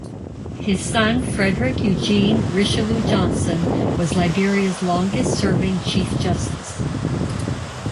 His son Frederick Eugene Richelieu Johnson was Liberia's longest serving Chief Justice.